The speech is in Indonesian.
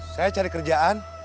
saya cari kerjaan